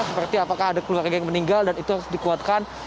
seperti apakah ada keluarga yang meninggal dan itu harus dikuatkan